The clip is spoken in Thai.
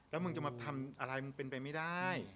แล้วมึงจะมาทำอะไรมึงเป็นไปไม่ได้